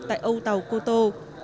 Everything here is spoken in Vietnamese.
tại âu tàu cô tô